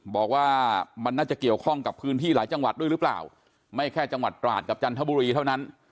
บอกว่ามันน่าจะเกี่ยวข้องกับพื้นที่หลายจังหวัดด้วยหรือเปล่าไม่แค่จังหวัดตราดกับจันทบุรีเท่านั้น